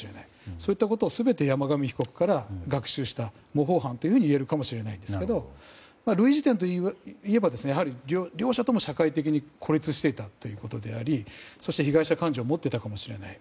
そういったことを全て山上被告から学習した、模倣犯といえるかもしれないですけど類似点といえば、やはり両者とも社会的に孤立していたということでありそして被害者感情を持っていたかもしれない。